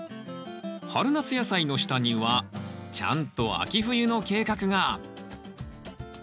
春夏野菜の下にはちゃんと秋冬の計画が。